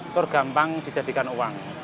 tergampang dijadikan uang